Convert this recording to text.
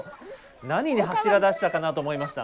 何に走りだしたかなと思いました。